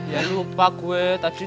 ya lupa gue tadi